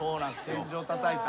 天井たたいた。